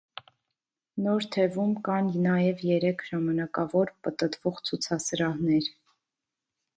Նոր թևում կան նաև երեք ժամանակավոր, պտտվող ցուցասրահներ։